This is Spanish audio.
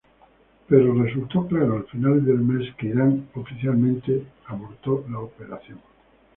Pero fue claro al final del mes que Irán oficialmente abortó la operación.